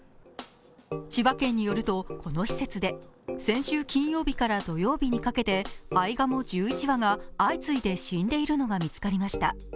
千葉県によると、この施設で先週金曜日から土曜日にかけてあいがも１１羽が相次いで死んでいるのが発見されました。